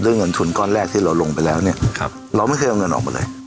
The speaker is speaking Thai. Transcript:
เงินทุนก้อนแรกที่เราลงไปแล้วเนี่ยเราไม่เคยเอาเงินออกมาเลย